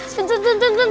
sun sun sun sun sun